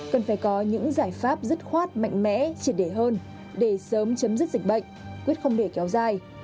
cần phải có những giải pháp dứt khoát mạnh mẽ triệt để hơn để sớm chấm dứt dịch bệnh quyết không để kéo dài